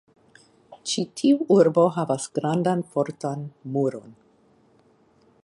Ĉi tiu urbo havas grandan fortan muron.